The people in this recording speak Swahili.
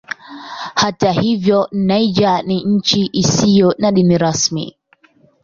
Hata hivyo Niger ni nchi isiyo na dini rasmi.